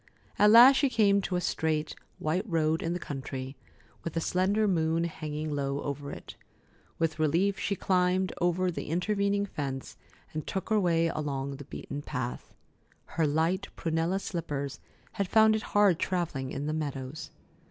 At last she came to a straight, white road in the country, with the slender moon hanging low over it. With relief, she climbed the intervening fence and took her way along the beaten path. Her light prunella slippers had found it hard travelling in the meadows.